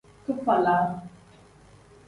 Kifalag.